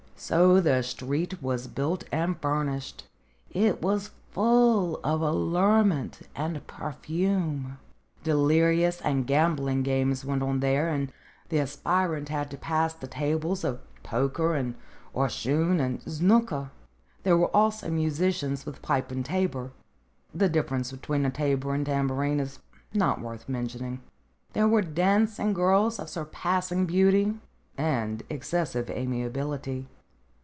So the street was built and furnished. It was full of allurement and perfume. Delirious and gambling games went on there, and the aspirant had to pass the tables of pochre and orchshun and znooka. There were also musicians with pipe and tabor. (The dif ference between a tabor and a tambourine is not worth mentioning.) There were dancing girls of surpassing beauty and excessive amiability.